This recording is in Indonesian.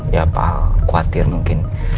ya pakal khawatir mungkin